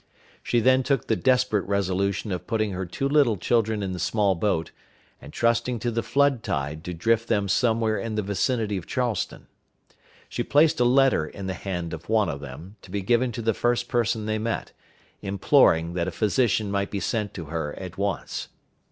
She then took the desperate resolution of putting her two little children in the small boat, and trusting to the flood tide to drift them somewhere in the vicinity of Charleston. She placed a letter in the hand of one of them, to be given to the first person they met, imploring that a physician might be sent to her at once.